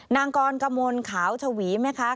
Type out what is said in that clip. นางกรกมลขาวชวีไหมคะ